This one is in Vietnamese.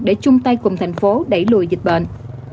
để chung tay cùng thành phố đẩy lùi dịch bệnh